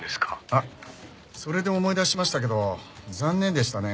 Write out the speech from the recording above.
あっそれで思い出しましたけど残念でしたね